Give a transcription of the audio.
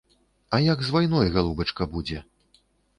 А як з вайной, галубачка, будзе?